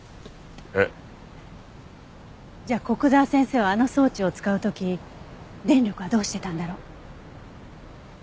えっ？じゃあ古久沢先生はあの装置を使う時電力はどうしてたんだろう？